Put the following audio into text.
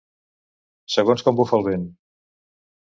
Segons com bufa el vent.